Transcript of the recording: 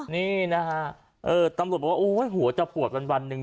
นี่นะคะตำรวจบอกว่าหัวจะปวดกันวันหนึ่ง